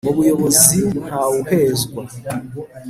mu buyobozi ntawuhezwa